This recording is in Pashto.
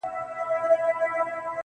گراني دې ځاى كي دغه كار وچاته څه وركوي.